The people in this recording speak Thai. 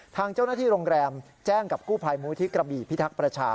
ทางเจ้าหน้าที่โรงแรมแจ้งกับกู้ภัยมูลที่กระบี่พิทักษ์ประชา